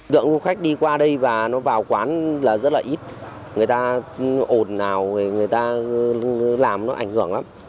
dự án của khách đi qua đây và nó vào quán là rất là ít người ta ổn nào người ta làm nó ảnh hưởng lắm